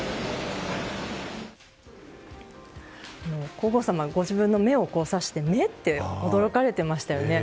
皇后さまはご自分の目を指して目？って驚かれていましたよね。